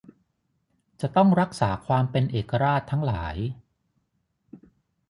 จะต้องรักษาความเป็นเอกราชทั้งหลาย